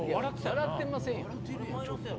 笑ってませんよ。